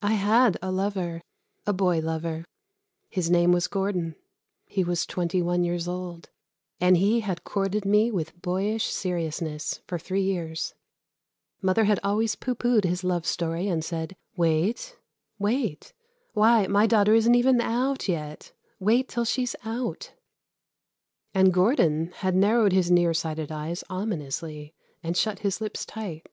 I had a lover a boy lover. His name was Gordon. He was twenty one years old, and he had courted me with boyish seriousness for three years. Mother had always pooh poohed his love story and said: "Wait, wait. Why, my daughter isn't even out yet. Wait till she's out." And Gordon had narrowed his near sighted eyes ominously and shut his lips tight.